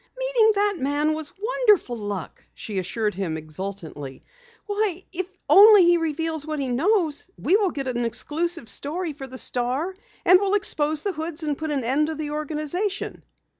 "Meeting that man was wonderful luck!" she assured him exultantly. "Why, if only he reveals what he knows, we will get an exclusive story for the Star! We'll expose the Hoods and put an end to the organization!"